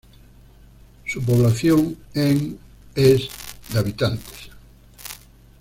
Su población en es de habitantes.